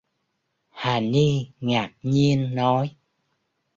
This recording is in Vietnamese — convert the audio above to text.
Hà ni Ngạc nhiên nói